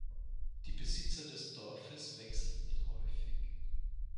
Die Besitzer des Dorfes wechselten häufig.